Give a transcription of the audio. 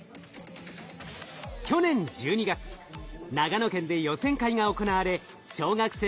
去年１２月長野県で予選会が行われ小学生が集まりました。